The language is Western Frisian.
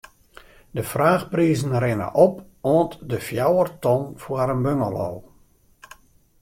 De fraachprizen rinne op oant de fjouwer ton foar in bungalow.